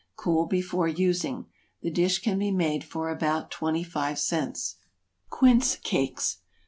Cool before using. The dish can be made for about twenty five cents. =Quince Cakes.